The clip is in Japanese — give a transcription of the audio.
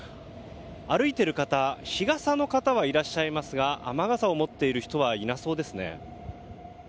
歩いている方日傘の方はいらっしゃいますが雨傘を持っている人はいなそうですね。